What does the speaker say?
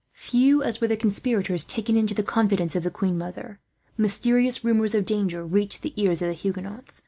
Few as were the conspirators taken into the confidence of the queen mother, mysterious rumours of danger reached the ears of the Huguenots.